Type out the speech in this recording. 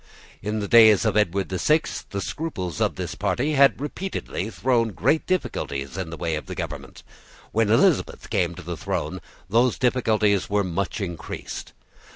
In the days of Edward the Sixth the scruples of this party had repeatedly thrown great difficulties in the way of the government. When Elizabeth came to the throne, those difficulties were much increased.